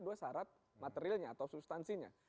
dua syarat materialnya atau substansinya